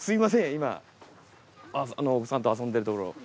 今お子さんと遊んでるところ。